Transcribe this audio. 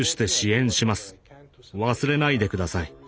忘れないで下さい。